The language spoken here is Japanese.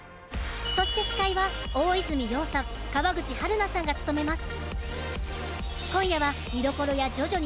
そして司会は大泉洋さん川口春奈さんが務めます